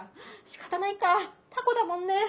仕方ないかタコだもんね。